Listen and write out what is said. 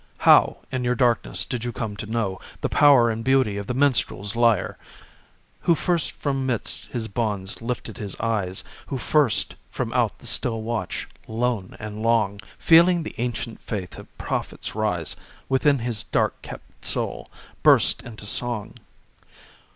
How, in your darkness, did you come to know The power and beauty of the minstrel's lyre? Who first from midst his bonds lifted his eyes? Who first from out the still watch, lone and long, Feeling the ancient faith of prophets rise Within his dark kept soul, burst into song?